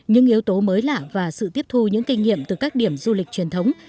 những yếu tố mới lạ và sự tiếp thu những kinh nghiệm từ các điểm du lịch truyền thống